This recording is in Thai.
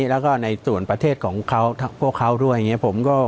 แล้วก็ในส่วนประเทศของเขาพวกเขาด้วยอย่างนี้